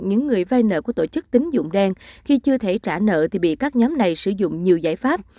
những người vay nợ của tổ chức tính dụng đen khi chưa thể trả nợ thì bị các nhóm này sử dụng nhiều giải pháp